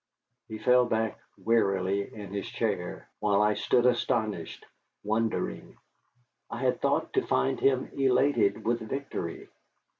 He fell back wearily in his chair, while I stood astonished, wondering. I had thought to find him elated with victory.